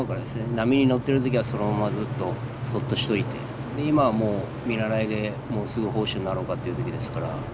波に乗ってる時はそのままずっとそっとしておいて今はもう見習いでもうすぐ砲手になろうかという時ですから。